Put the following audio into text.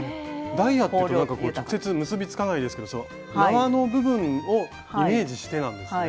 ダイヤっていうと直接結びつかないですけど縄の部分をイメージしてなんですね。